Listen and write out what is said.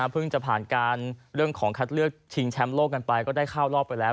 จะผ่านการเรื่องของคัดเลือกชิงแชมป์โลกกันไปก็ได้เข้ารอบไปแล้ว